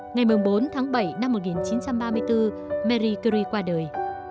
ngày một mươi bốn tháng bảy năm một nghìn chín trăm ba mươi bốn marie curie qua đời